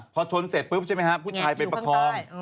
พอชนเสร็จปุ๊บใช่ไหมครับผู้ชายไปประคอง